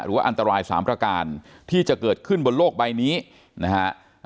หรือว่าอันตราย๓ประการที่จะเกิดขึ้นบนโลกใบนี้นะฮะ